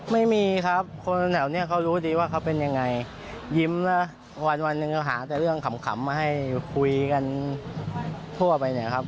ไม่มีครับคนแถวนี้เขารู้ดีว่าเขาเป็นยังไงยิ้มนะวันหนึ่งก็หาแต่เรื่องขำมาให้คุยกันทั่วไปเนี่ยครับ